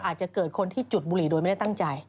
อาจจะเกิดคนที่จุดบุหรี่โดยไม่ได้ตั้งใจ